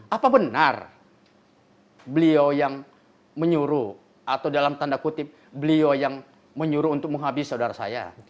apa benar beliau yang menyuruh atau dalam tanda kutip beliau yang menyuruh untuk menghabis saudara saya